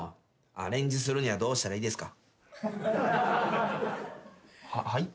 アレンジするにはどうしたらいいですか。ははい？